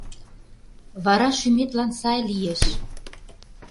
Вара шӱметлан сай лиеш.